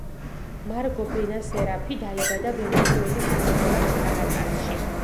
მარგო ბენასერაფი დაიბადა ვენესუელის დედაქალაქ კარაკასში.